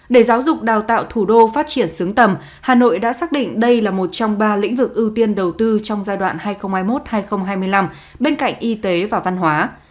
để giáo dục đào tạo thủ đô phát triển xứng tầm hà nội đã xác định đây là một trong ba lĩnh vực ưu tiên đầu tư trong giai đoạn hai nghìn hai mươi một hai nghìn hai mươi năm bên cạnh y tế và văn hóa